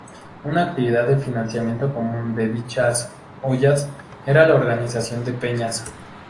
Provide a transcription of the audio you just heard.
Una actividad de financiamiento común de dichas "ollas" era la organización de peñas.